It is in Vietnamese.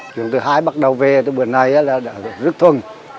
truường thứ hai bắt đầu về từ bữa nay là đã rất thuần